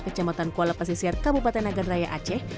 kecamatan kuala pasisir kabupaten agadraya aceh